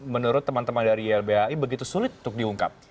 menurut teman teman dari ylbhi begitu sulit untuk diungkap